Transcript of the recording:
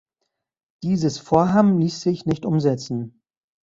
Dieses Vorhaben ließ sich nicht umsetzen.